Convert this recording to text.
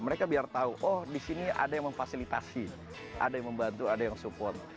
mereka biar tahu oh di sini ada yang memfasilitasi ada yang membantu ada yang support